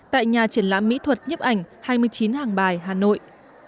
tại nhà triển lãm mỹ thuật nhấp ảnh hai mươi chín hàng bài hà nội